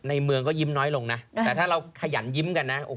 เมืองก็ยิ้มน้อยลงนะแต่ถ้าเราขยันยิ้มกันนะ